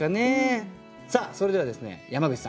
さあそれではですね山口さん